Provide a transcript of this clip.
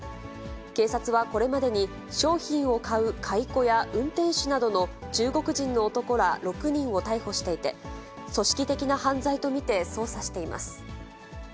警察はこれまでに、商品を買う買い子や運転手などの中国人の男ら６人を逮捕していて、組織的な犯罪と見て、捜査しています。